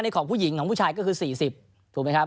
ของผู้หญิงของผู้ชายก็คือ๔๐ถูกไหมครับ